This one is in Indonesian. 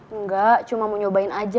enggak cuma mau nyobain aja